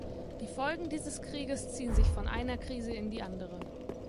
Die Folgen dieses Krieges ziehen sich von einer Krise in die andere.